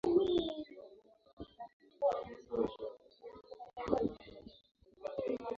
alijiunga na bunge la kitaifa akiwa na umri wa miaka kumi na saba